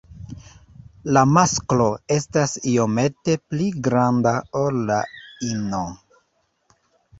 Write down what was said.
La masklo estas iomete pli granda ol la ino.